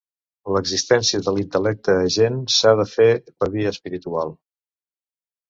L'existència de l'intel·lecte agent s'ha de fer per via espiritual.